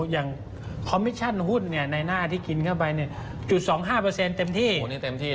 อย่างคอมมิชชั่นหุ้ดเนี่ยแน่น่าที่กินเข้าไปเนี่ย๐๒๕เต็มที่